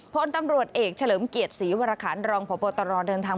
พลตำรวจเอกเฉลิมเกียรติศรีวรคันรองพบตรเดินทาง